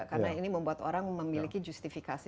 karena ini membuat orang memiliki justifikasi